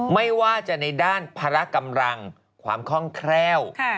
ไม่ว่าจะในด้านภาระกำลังความคล่องแคล่ว